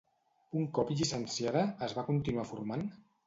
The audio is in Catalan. Un cop llicenciada, es va continuar formant?